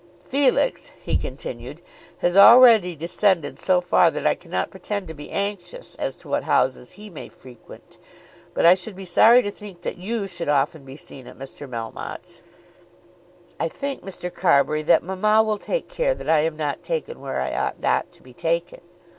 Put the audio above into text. "Felix," he continued, "has already descended so far that I cannot pretend to be anxious as to what houses he may frequent. But I should be sorry to think that you should often be seen at Mr. Melmotte's." "I think, Mr. Carbury, that mamma will take care that I am not taken where I ought not to be taken."